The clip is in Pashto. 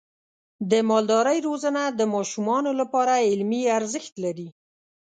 د مالدارۍ روزنه د ماشومانو لپاره علمي ارزښت لري.